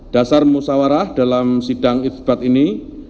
dasar musawarah dalam sidang isbat ini